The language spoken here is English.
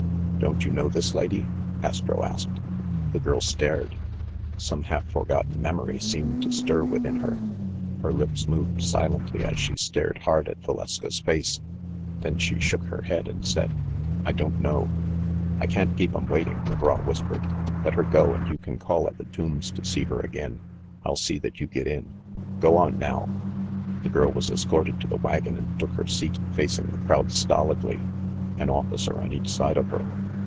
"Don't you know this lady ?" Astro asked. The girl stared. Some half forgotten memory seemed to stir within her. Her lips moved silently as she stared hard at Valeska's face. Then she shook her head, and said, "I don't know." "I can't keep 'em waiting," McGraw whispered. "Let her go, and you can call at the Tombs to see her again. I'll see that you get in. Go on, now !" The girl was escorted to the wagon and took her seat, facing the crowd stolidly, an officer on each side of her.